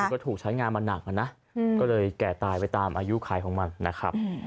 ก็ถูกใช้งานมาหนักนะก็เลยแก่ตายไปตามอายุไขของมันนะครับ